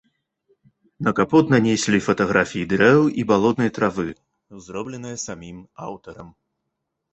На капот нанеслі фатаграфіі дрэў і балотнай травы, зробленыя самім аўтарам.